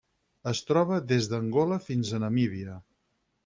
Es troba des d'Angola fins a Namíbia.